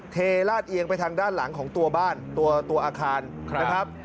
เทลาดเอียงไปทางด้านหลังของตัวบ้านตัวอาคารนะครับ